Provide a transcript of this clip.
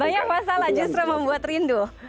banyak masalah justru membuat rindu